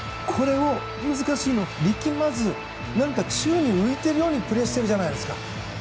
難しいのを力まずに何か、中央に浮いているようにプレーしているじゃないですか。